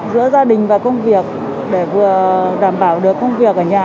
giữa gia đình và công việc để vừa đảm bảo được công việc ở nhà